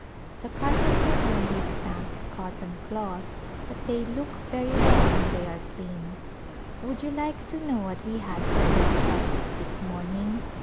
The carpets are only stamped cotton cloth but they look very well when they are clean. Would you like to know what we had for breakfast this morning